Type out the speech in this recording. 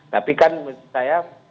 tapi kan menurut saya